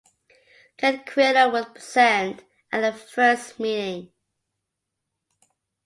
Ken Quinnell was present at the first meeting.